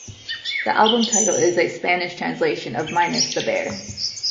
The album title is a Spanish translation of Minus the Bear.